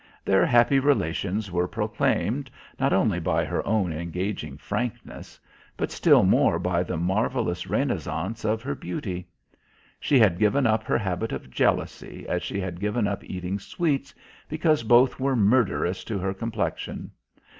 Their happy relations were proclaimed, not only by her own engaging frankness, but still more by the marvellous renaissance of her beauty. She had given up her habit of jealousy as she had given up eating sweets, because both were murderous to her complexion.